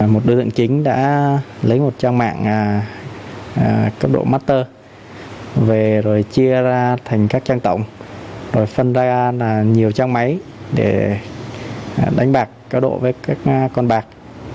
một đối tượng chính đã lấy một trang mạng cấp độ master về rồi chia ra thành các trang tổng rồi phân ra nhiều trang máy để đánh bạc cao độ với các con bạc